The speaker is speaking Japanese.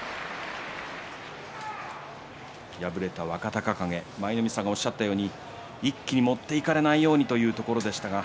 敗れた若隆景舞の海さん、おっしゃったように一気に持っていかれないようにというところでしたが。